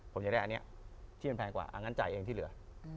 ผมจะได้อันนี้ที่มันแพงกว่าอันนั้นจ่ายเองที่เหลือ